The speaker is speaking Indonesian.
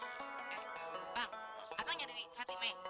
eh bang apa yang nyari fatime